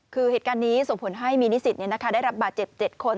คือเหตุการณ์นี้ส่งผลให้มีนิสิตได้รับบาดเจ็บ๗คน